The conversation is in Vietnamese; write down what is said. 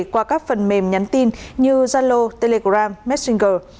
qua các phần mềm nhắn tin như zalo telegram messenger